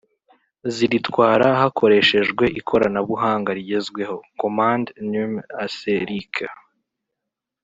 ziritwara hakoreshejwe ikoranabuhanga rigezweho (Commande Numérique)